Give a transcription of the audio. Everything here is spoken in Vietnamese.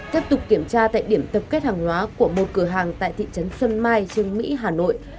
tiếp tục kiểm tra tại điểm tập kết hàng hóa của một cửa hàng tại thị trấn xuân mai trương mỹ hà nội